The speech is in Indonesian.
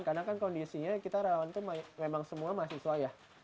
karena kondisinya kita relawan itu memang semua mahasiswa ya